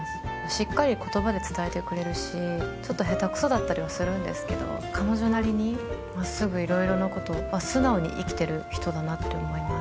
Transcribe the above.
しっかり言葉で伝えてくれるしちょっと下手くそだったりはするんですけど彼女なりにまっすぐ色々なことを素直に生きてる人だなと思います